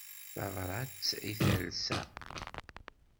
Tabrat i talsa.